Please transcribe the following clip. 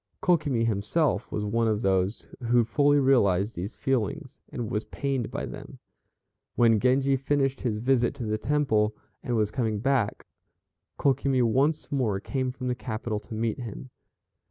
Kokimi himself was one of those who fully realized these feelings, and was pained by them. When Genji finished his visit to the Temple, and was coming back, Kokimi once more came from the capital to meet him.